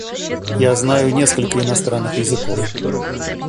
Я знаю несколько иностранных языков.